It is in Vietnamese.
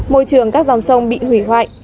môi trường các dòng sông bị hủy hoại